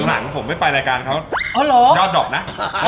หลังผมไม่ไปรายการเขายอดดอกนะ